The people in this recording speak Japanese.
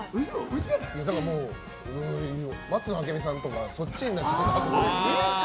松野明美さんとかそっちになっちゃう。